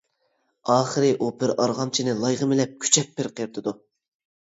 ئاخىرى ئۇ بىر ئارغامچىنى لايغا مىلەپ كۈچەپ پىرقىرىتىدۇ.